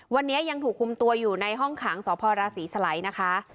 วันนี้ยังถูกคุมตัวอยู่ในห้องขังสพรศรีสลัยนะคะ